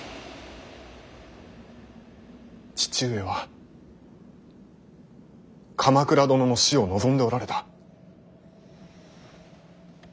父上は鎌倉殿の死を望んでおられた。